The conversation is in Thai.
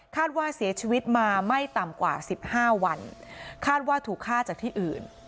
ว่าเสียชีวิตมาไม่ต่ำกว่าสิบห้าวันคาดว่าถูกฆ่าจากที่อื่น